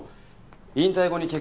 引退後に結婚。